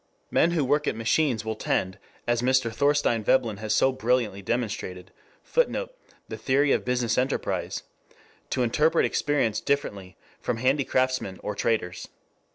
Men who work at machines will tend, as Mr. Thorstein Veblen has so brilliantly demonstrated, [Footnote: The Theory of Business Enterprise.] to interpret experience differently from handicraftsmen or traders.